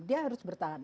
dia harus bertahan